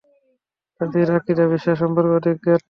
তাদের আকীদা-বিশ্বাস সম্পকে অধিক জ্ঞাত।